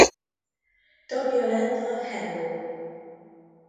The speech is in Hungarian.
Tagja lett a Hello!